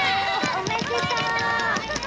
おめでとう！